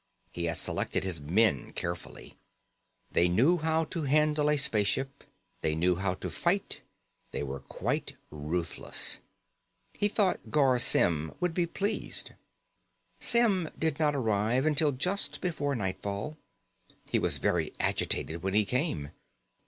He had selected his men carefully: they knew how to handle a spaceship, they knew how to fight, they were quite ruthless. He thought Garr Symm would be pleased. Symm did not arrive until just before nightfall. He was very agitated when he came.